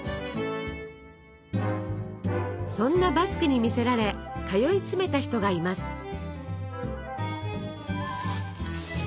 そんなバスクに魅せられ通い詰めた人がいます。